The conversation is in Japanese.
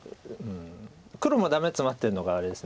黒もダメツマってるのがあれです。